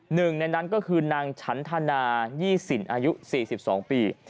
หนึ่งในนั้นก็คือนางฉันธนายี่สินอายุ๔๒ปี